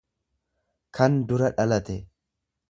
kan dura dhalate.